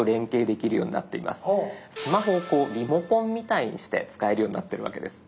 スマホをこうリモコンみたいにして使えるようになってるわけです。